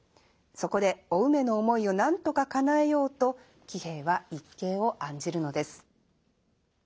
そこでお梅の思いをなんとか叶えようと喜兵衛は一計を案じるのです。